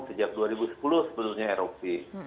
sejak dua ribu sepuluh sebetulnya erop